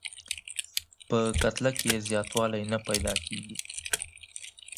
په کتله کې یې زیاتوالی نه پیدا کیږي.